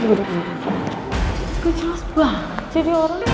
aku jelas banget